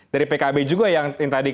dari pkb juga yang tadi